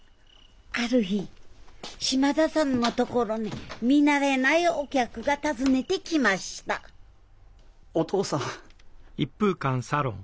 ある日島田さんの所に見慣れないお客が訪ねてきましたお父さん。